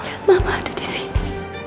liat mama ada di sini